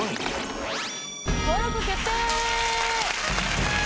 登録決定！